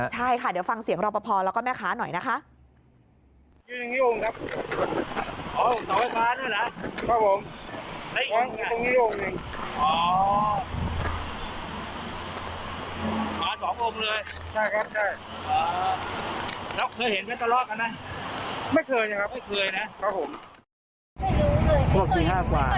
ใช่ค่ะเดี๋ยวฟังเสียงรอปภแล้วก็แม่ค้าหน่อยนะคะ